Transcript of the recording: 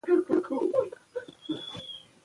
سوځېدنه په يخو اوبو آرام کړئ.